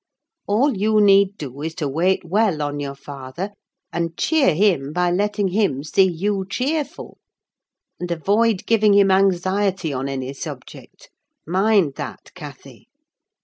All you need do, is to wait well on your father, and cheer him by letting him see you cheerful; and avoid giving him anxiety on any subject: mind that, Cathy!